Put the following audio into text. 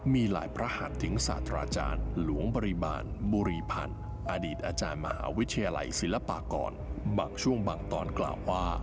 มีหลายพระหัสถึงศาสตราจารย์หลวงปริมาณบุรีพันธ์อดีตอาจารย์มหาวิทยาลัยศิลปากรบางช่วงบางตอนกล่าวว่า